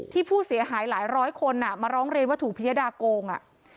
ผู้เสียหายหลายร้อยคนมาร้องเรียนว่าถูกพิยดาโกงอ่ะ